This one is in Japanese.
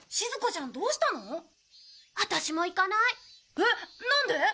えっなんで？